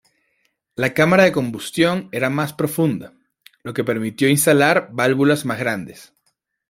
La cámara de combustión era más profunda, lo que permitió instalar válvulas más grandes.